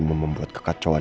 mau membuat kekacauan